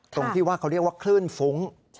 ตรงที่ว่าเขาเรียกว่าคลื่นฟุ้ง